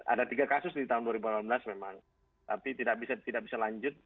ada tiga kasus di tahun dua ribu delapan belas memang tapi tidak bisa lanjut